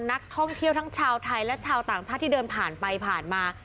นักท่องเที่ยวทั้งชาวไทยและชาวต่างชาติที่เดินผ่านไปผ่านมา